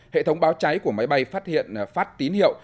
hệ thống báo cháy của máy bay phát hiện phát tín hiệu